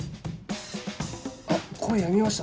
あっ声やみました